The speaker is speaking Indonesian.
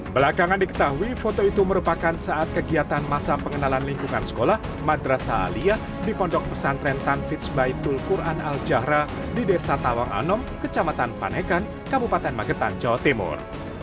belakangan diketahui foto itu merupakan saat kegiatan masa pengenalan lingkungan sekolah madrasah aliyah di pondok pesantren tanfits baitul quran al jahra di desa tawang anom kecamatan panekan kabupaten magetan jawa timur